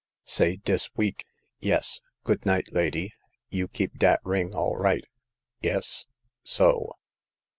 " Say dis week. Yes. Good night, lady ; you keep dat ring all right. Yes. So."